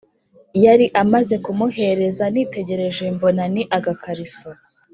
yari amaze kumuhereza, nitegereje mbona ni agakariso